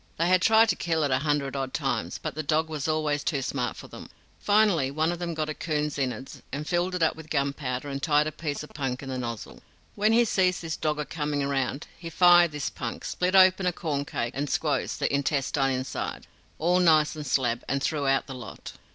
They had tried to kill it a hundred odd times, but the dog was always too smart for them. Finally, one of them got a coon's innards, and filled it up with gunpowder, and tied a piece of punk in the nozle. When he see this dog a coming 'round, he fired this punk, split open a corn cake and squoze the intestine inside, all nice and slab, and threw out the lot.